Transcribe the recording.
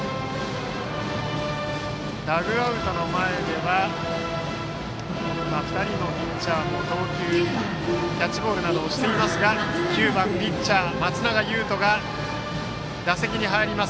ダグアウトの前では２人のピッチャーが投球キャッチボールなどをしていましたが９番ピッチャー、松永優斗がそのまま打席に入ります。